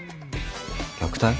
虐待？